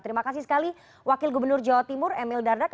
terima kasih sekali wakil gubernur jawa timur emil dardak